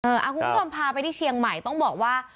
คุณผู้ชมพาไปที่เชียงใหม่ต้องบอกว่า